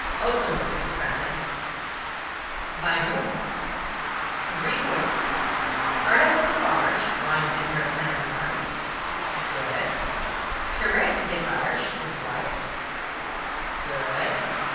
"Openly, President." "By whom?" "Three voices. Ernest Defarge, wine vendor of St. Antoine." "Good." "Thérèse Defarge, his wife." "Good."